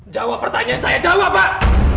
jawab pertanyaan saya jawab pak